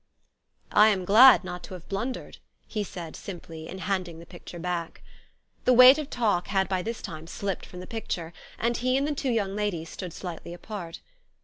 "I am glad not to have blundered," he said simply in handing the picture back. The weight of talk had by this time slipped from the picture, and he and the two young ladies stood slightly apart.